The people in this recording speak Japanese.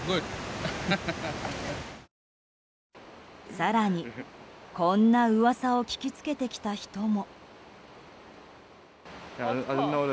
更に、こんな噂を聞きつけてきた人も。